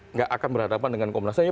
nggak akan berhadapan dengan komunasanya